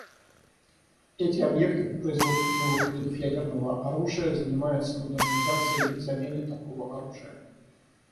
Эти объекты по производству новых видов ядерного оружия занимаются модернизацией и заменой такого оружия.